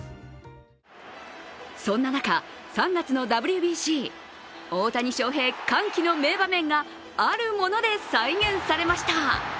そんな中、３月のＷＢＣ大谷翔平、歓喜の名場面があるもので再現されました。